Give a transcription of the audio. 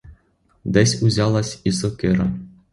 Десь узялась і сокира.